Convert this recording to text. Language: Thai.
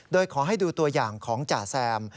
โดยขอให้ดูตัวอย่างของจ่าแซม